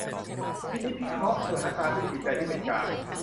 พินิจพิเคราะห์สถานการณ์ด้วยจิตใจที่เป็นกลาง